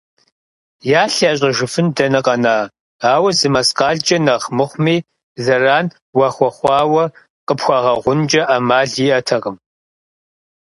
Ялъ ящӀэжыфын дэнэ къэна, ауэ зы мэскъалкӀэ нэхъ мыхъуми зэран уахуэхъуауэ къыпхуагъэгъункӀэ Ӏэмал иӀэтэкъым.